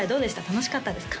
楽しかったですか？